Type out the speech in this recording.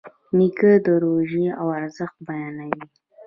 نیکه د روژې ارزښت بیانوي.